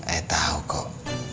eh tau kok